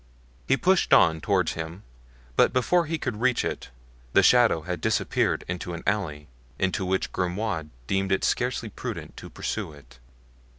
He pushed on toward him, but before he could reach it the shadow had disappeared into an alley, into which Grimaud deemed it scarcely prudent to pursue it.